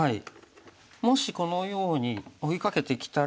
もしこのように追いかけてきたら。